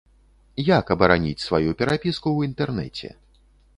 Як абараніць сваю перапіску ў інтэрнэце?